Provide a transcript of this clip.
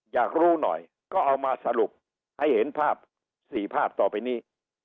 อยากรู้หน่อยก็เอามาสรุปให้เห็นภาพ๔ภาพต่อไปนี้